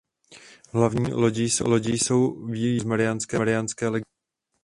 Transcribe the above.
V hlavní lodi jsou výjevy z "Mariánské legendy".